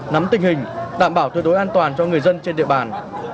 nắm tình hình đảm bảo tuyệt đối an toàn cho người dân trên địa bàn